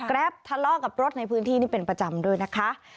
ทะเลาะกับรถในพื้นที่นี่เป็นประจำด้วยนะคะ